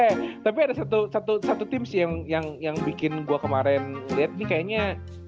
eh tapi ada satu tim sih yang bikin gue kemarin liat nih kayaknya